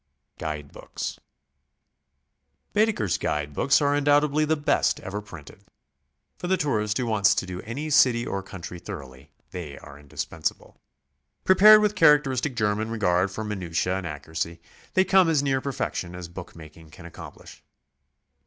GUIDE BOOKS. Baedeker's guide books are undoubtedly the best ever printed. For the tourist who wants to do any city or country thoroughly, they are indispensable. Prepared with charac teristic German regard for minutiae and accuracy, they come as near perfection as bookimaking can accomplish.